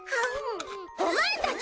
お前たち！